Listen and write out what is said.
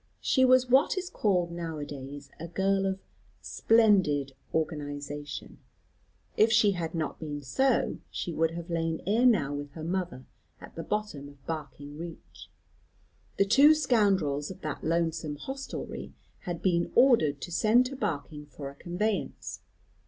She was what is called now a days a girl of "splendid organisation." If she had not been so, she would have lain ere now with her mother at the bottom of Barking Reach. The two scoundrels of that lonesome hostelry had been ordered to send to Barking for a conveyance.